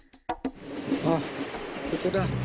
あっここだ。